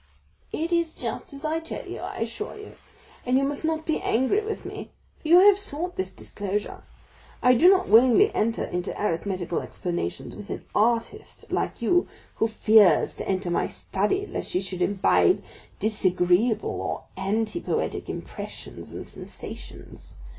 40302m "It is just as I tell you, I assure you, and you must not be angry with me, for you have sought this disclosure. I do not willingly enter into arithmetical explanations with an artist like you, who fears to enter my study lest she should imbibe disagreeable or anti poetic impressions and sensations.